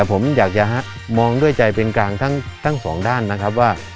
ผมอยากจะมองด้วยใจเป็นกลางทั้งสองด้านนะครับว่า